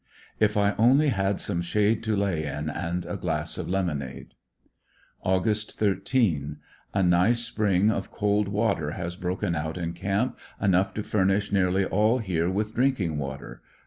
If I only had some shade to lay in, and a glass of lemonade. Aug. 13. — A nice spring of cold water has broken out in camp, enough to furnish nearly all here with drinking water.